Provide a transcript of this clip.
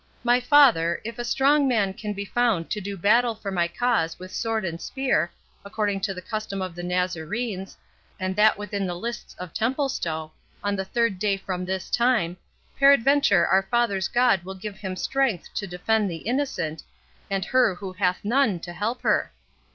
My father, if a strong man can be found to do battle for my cause with sword and spear, according to the custom of the Nazarenes, and that within the lists of Templestowe, on the third day from this time, peradventure our fathers' God will give him strength to defend the innocent, and her who hath none to help her.